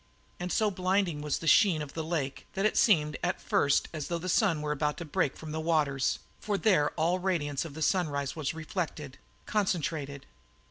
And so blinding was the sheen of the lake that it seemed at first as though the sun were about to break from the waters, for there all the radiance of the sunrise was reflected, concentrated.